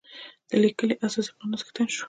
د لیکلي اساسي قانون څښتن شو.